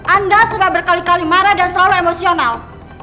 anda sudah berkali kali marah dan selalu emosional